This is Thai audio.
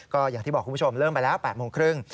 ก็อย่างที่บอกคุณผู้ชมเริ่มไปแล้ว๘โมงครึ่ง